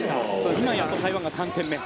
今、やっと台湾が３点目。